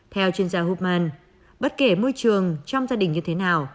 theo chuyên gia human bất kể môi trường trong gia đình như thế nào